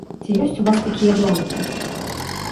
Ці ёсць у вас такія бланкі?